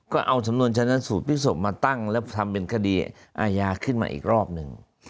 ก็เอาสำนวนชนะสูตรพลิกศพมาตั้งแล้วทำเป็นคดีอาญาขึ้นมาอีกรอบหนึ่ง